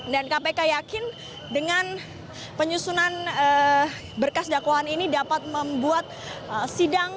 dan kpk yakin dengan penyusunan berkas dakwaan ini dapat membuat sidang